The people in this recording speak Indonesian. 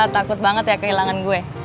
takut banget ya kehilangan gue